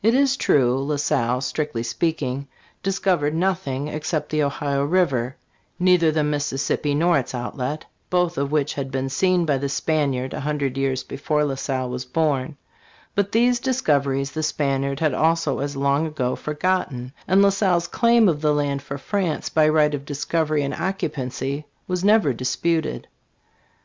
It is true, La Salle, strictly speaking, discovered nothing except the Ohio river neither the Mississippi nor its outlet, both of which had been seen by the Spaniard a hundred years before La Salle was born ; but these discoveries the Spaniard had also as long ago forgotten, and La Salle's claim of the land for France by right of discovery and occupancy was never disputed.